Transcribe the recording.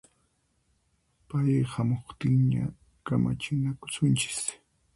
Pay hamuqtinña kamachinakusunchis